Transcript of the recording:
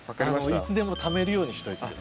いつでもためるようにしといて下さい。